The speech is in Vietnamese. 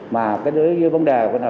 mà cái đối với vấn đề